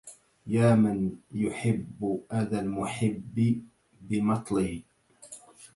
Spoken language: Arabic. يا من يحب أذى المحب بمطله